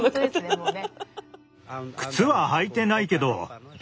もうね。